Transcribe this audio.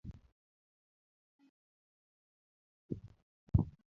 Nyako yuago chuore omaki gi obila